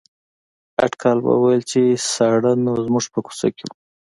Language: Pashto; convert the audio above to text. اټکل به ویل چې ساړه نو زموږ په کوڅه کې وو.